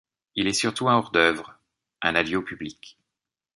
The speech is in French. Il est surtout un hors-d’œuvre, un adieu au public.